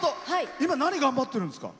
今、何頑張ってるんですか？